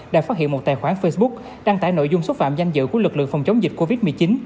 đã phát hiện một tài khoản facebook đăng tải nội dung xúc phạm danh dự của lực lượng phòng chống dịch covid một mươi chín